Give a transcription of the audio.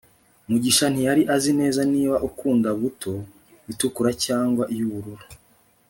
mugisha ntiyari azi neza niba ukanda buto itukura cyangwa iy'ubururu